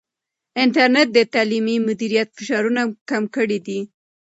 انټرنیټ د تعلیمي مدیریت فشارونه کم کړي دي.